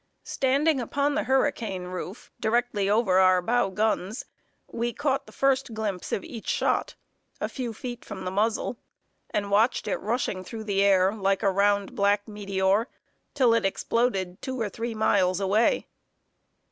Standing upon the hurricane roof, directly over our bow guns, we caught the first glimpse of each shot, a few feet from the muzzle, and watched it rushing through the air like a round, black meteor, till it exploded two or three miles away.